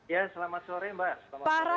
ya selamat sore mbak